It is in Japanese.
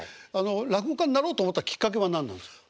落語家になろうと思ったきっかけは何なんですか？